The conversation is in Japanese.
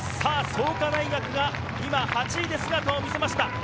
創価大学が８位で姿を見せました。